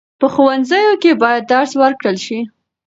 په ښوونځیو کې باید درس ورکړل شي.